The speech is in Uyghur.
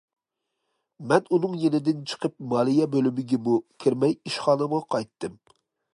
مەن ئۇنىڭ يېنىدىن چىقىپ مالىيە بۆلۈمىگىمۇ كىرمەي ئىشخانامغا قايتتىم.